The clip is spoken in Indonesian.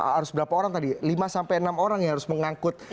harus berapa orang tadi lima enam orang yang harus mengangkut ular piton